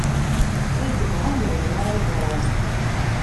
Ay yeḍran d wayen ara yeḍrun